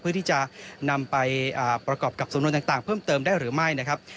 เพื่อที่จะนำไปประกอบกับสำนวนต่างเพิ่มเติมได้หรือไม่นะครับ